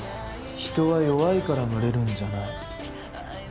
人は弱いから群れるんじゃない。